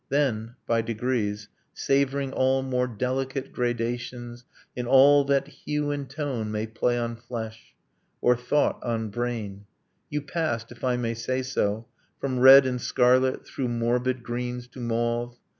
. Then, by degrees, Savoring all more delicate gradations In all that hue and tone may play on flesh, Or thought on brain, you passed, if I may say so, From red and scarlet through morbid greens to mauve.